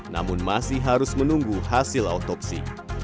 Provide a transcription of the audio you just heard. namun masih harus menunggu hasil autopsi